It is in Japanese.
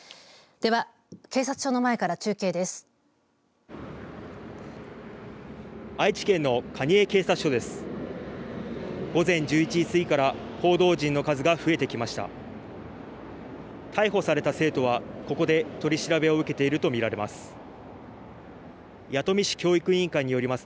では、警察署の前から中継です。